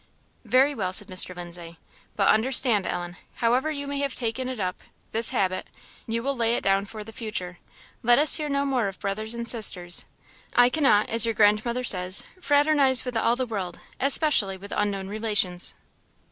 "Very well!" said Mr. Lindsay. "But understand, Ellen, however you may have taken it up this habit you will lay it down for the future. Let us hear no more of brothers and sisters. I cannot, as your Grandmother says, fraternize with all the world, especially with unknown relations."